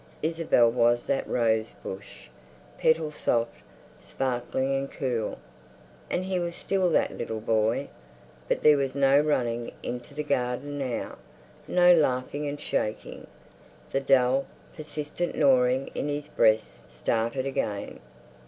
Isabel was that rose bush, petal soft, sparkling and cool. And he was still that little boy. But there was no running into the garden now, no laughing and shaking. The dull, persistent gnawing in his breast started again.